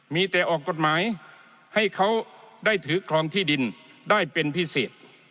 มีแต่ออกกฎหมายให้เขาได้ถือครองที่ดินได้เป็นพิเศษ